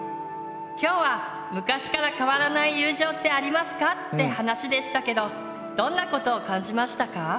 今日は「昔から変わらない友情ってありますか？」って話でしたけどどんなことを感じましたか？